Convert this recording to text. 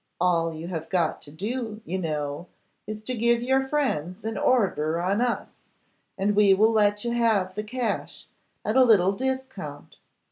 All you have got to do, you know, is to give your friends an order on us, and we will let you have cash at a little discount.